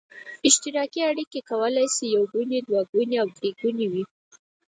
اشتراکي اړیکه کولای شي یو ګونې، دوه ګونې او درې ګونې وي.